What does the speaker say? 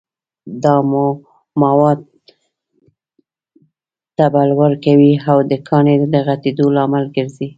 دا مواد تبلور کوي او د کاڼي د غټېدو لامل ګرځي.